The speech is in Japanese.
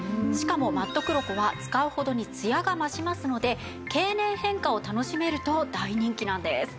しかもマットクロコは使うほどにツヤが増しますので経年変化を楽しめると大人気なんです。